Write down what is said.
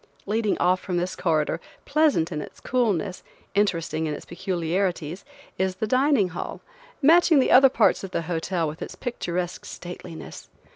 Leading off from this corridor, pleasant in its coolness, interesting in its peculiarities, is the dining hall, matching the other parts of the hotel with its picturesque stateliness.